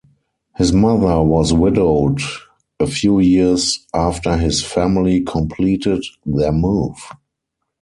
His mother was widowed a few years after his family completed their move.